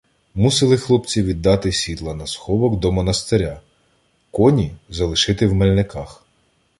Мусили хлопці віддати сідла на сховок до монастиря, коні — залишити в Мельниках.